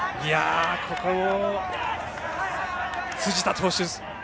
ここ、辻田投手